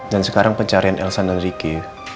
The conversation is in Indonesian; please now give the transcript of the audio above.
dan sekarang pencarian elsa dan ricky